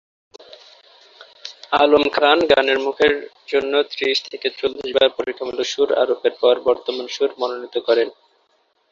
আলম খান গানের মুখের জন্য ত্রিশ থেকে চল্লিশ বার পরীক্ষামূলক সুর আরোপের পর বর্তমান সুর মনোনীত করেন।